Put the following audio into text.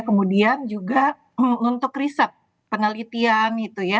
kemudian juga untuk riset penelitian